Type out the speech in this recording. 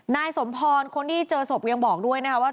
นายสมพรคนที่เจอศพยังบอกด้วยนะคะว่า